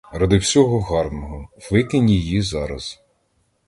Ради всього гарного, викинь її зараз.